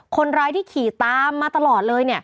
คนร้ายที่ขี่ตามมาตลอดเลย